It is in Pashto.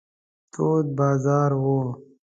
تود بازار و.